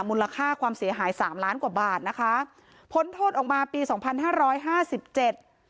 มูลค่าความเสียหายสามล้านกว่าบาทนะคะพ้นโทษออกมาปีสองพันห้าร้อยห้าสิบเจ็ด